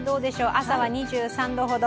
朝は２３度ほど。